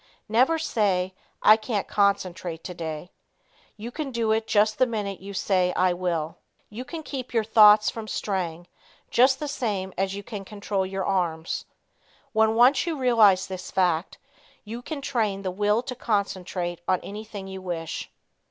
Never say "I can't concentrate today." You can do it just the minute you say "I will." You can keep your thoughts from straying, just the same as you can control your arms. When once you realize this fact, you can train the will to concentrate on anything you wish.